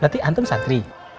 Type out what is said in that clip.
berarti antum santri